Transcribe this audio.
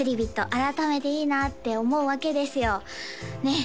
改めていいなって思うわけですよねえ